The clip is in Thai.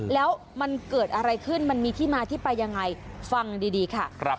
แล้วมันเกิดอะไรขึ้นมันมีที่มาที่ไปยังไงฟังดีค่ะ